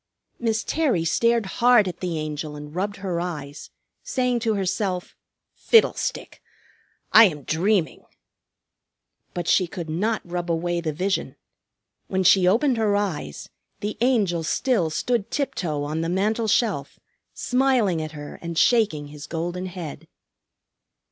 Miss Terry stared hard at the Angel and rubbed her eyes, saying to herself, "Fiddlestick! I am dreaming!" But she could not rub away the vision. When she opened her eyes the Angel still stood tiptoe on the mantel shelf, smiling at her and shaking his golden head.